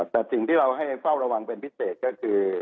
แต่สิ่งที่เราให้เฝ้าระวังเป็นพิเศษก็คือ